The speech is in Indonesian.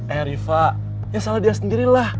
eh riva ya salah dia sendiri lah